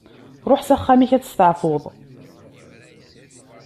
Ruḥ s axxam-ik ad testeɛfuḍ.